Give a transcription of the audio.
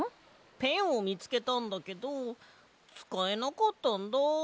ペンをみつけたんだけどつかえなかったんだ。